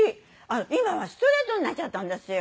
今はストレートになっちゃったんですよ。